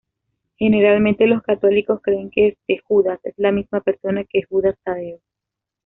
Generalmente los católicos creen que este Judas es la misma persona que Judas Tadeo.